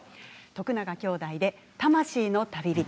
徳永兄弟で「魂の旅人」。